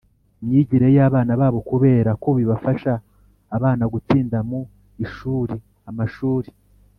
myigire y abana babo kubera ko bibifasha abana gutsinda mu ishuri Amashuri